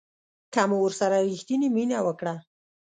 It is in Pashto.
که مو ورسره ریښتینې مینه وکړه